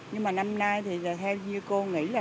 nhưng mà năm nay thì theo như cô nghĩ là